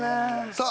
さあ